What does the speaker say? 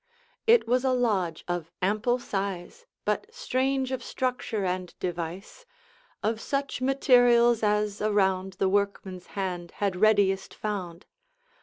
It was a lodge of ample size, But strange of structure and device; Of such materials as around The workman's hand had readiest found.